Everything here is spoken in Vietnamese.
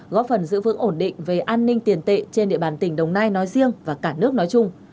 góp phần giữ vững ổn định về an ninh tiền tệ trên địa bàn tỉnh đồng nai nói riêng và cả nước nói chung